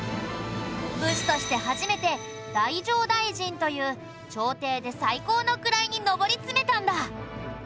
武士として初めて太政大臣という朝廷で最高の位に上り詰めたんだ。